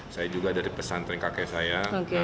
saya juga dari pesantren kakek saya